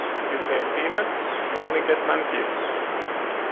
If you pay peanuts, you only get monkeys.